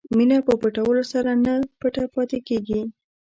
مینه په پټولو سره نه پټه پاتې کېږي.